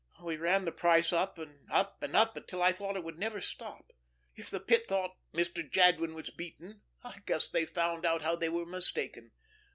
We ran the price up and up and up till I thought it would never stop. If the Pit thought Mr. Jadwin was beaten, I guess they found out how they were mistaken.